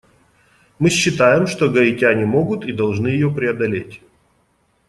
Мы считаем, что гаитяне могут и должны ее преодолеть.